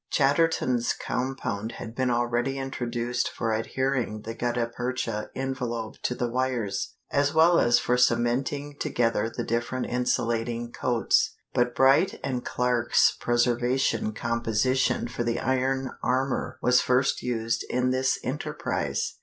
Chatterton's compound had been already introduced for adhering the gutta percha envelope to the wires, as well as for cementing together the different insulating coats; but Bright & Clark's preservative composition for the iron armor was first used in this enterprise.